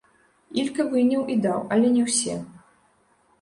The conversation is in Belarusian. Ілька выняў і даў, але не ўсе.